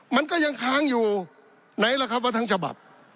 มันก็ยังค้างอยู่ไหนล่ะครับว่าทั้งฉบับ